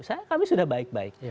saya kami sudah baik baik